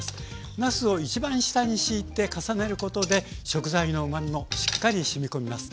なすを一番下にしいて重ねることで食材のうまみもしっかりしみ込みます。